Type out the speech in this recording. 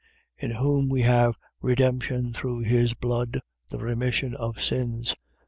In whom we have redemption through his blood, the remission of sins: 1:15.